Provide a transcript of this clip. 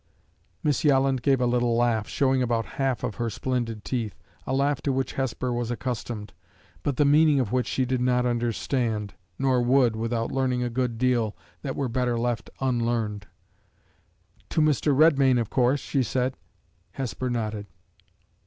Miss Yolland gave a little laugh, showing about the half of her splendid teeth a laugh to which Hesper was accustomed, but the meaning of which she did not understand nor would, without learning a good deal that were better left unlearned. "To Mr. Redmain, of course!" she said. Hesper nodded.